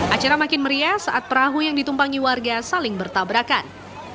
acara makin meriah saat perahu yang ditumpangi warga saling bertabrakan